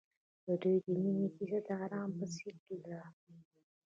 د دوی د مینې کیسه د آرمان په څېر تلله.